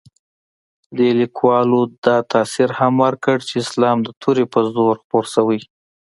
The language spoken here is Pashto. دې لیکوالو دا تاثر هم ورکړ چې اسلام د تورې په زور خپور شوی.